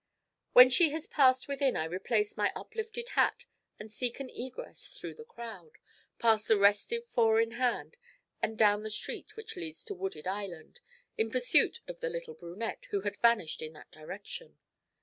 When she has passed within I replace my uplifted hat and seek an egress through the crowd, past the restive four in hand and down the street which leads to Wooded Island, in pursuit of the little brunette, who had vanished in that direction.